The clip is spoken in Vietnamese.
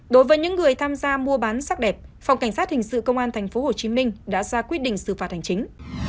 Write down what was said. đối với những người tham gia mua bán sắc đẹp phòng cảnh sát hình sự công an tp hcm đã ra quyết định xử phạt hành chính